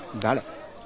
誰？